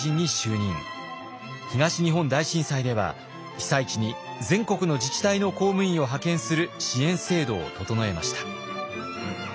東日本大震災では被災地に全国の自治体の公務員を派遣する支援制度を整えました。